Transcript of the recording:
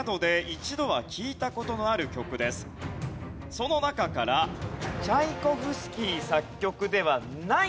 その中からチャイコフスキー作曲ではないもの